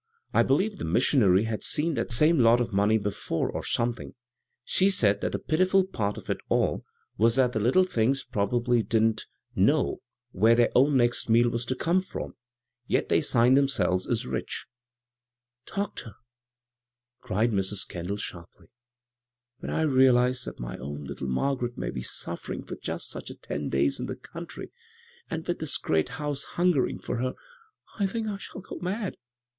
I believe the missionary had seen diat same lot of money before, or something of that sort She said that the pitiful part of H all was that the little things probably didn't »65 b, Google CROSS CURRENTS know where their own next meal was to come from !— ^yet they signed themselves as ' rich ' 1 "" Doctor," cried Mrs. Kendall, sharply, " when I realize that my own little Margaret may be suffering for just such a ten days in the country, and with this great house hungering for her, I think I shall go mad.